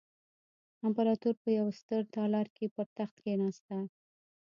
امپراتور په یوه ستر تالار کې پر تخت کېناسته.